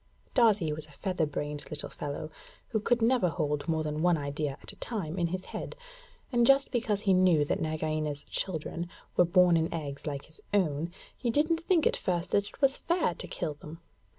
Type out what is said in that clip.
Darzee was a feather brained little fellow who could never hold more than one idea at a time in his head; and just because he knew that Nagaina's children were born in eggs like his own, he didn't think at first that it was fair to kill them.